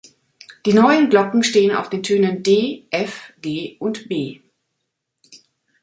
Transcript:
Die neuen Glocken stehen auf den Tönen d', f', g' und b'.